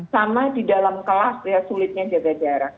sama di dalam kelas ya sulitnya jaga jarak